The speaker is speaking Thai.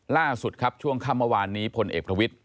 ล่าสุดครับช่วงค่ำเมื่อวานนี้พลเอกประวิทธิ